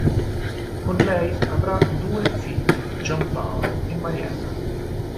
Con lei avrà due figli, Giampaolo e Mariella.